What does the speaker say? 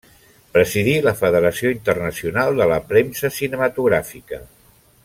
Presidí la Federació Internacional de la Premsa Cinematogràfica.